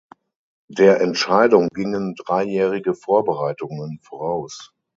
Der Entscheidung gingen dreijährige Vorbereitungen voraus.